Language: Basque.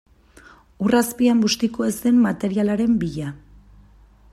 Ur azpian bustiko ez den materialaren bila.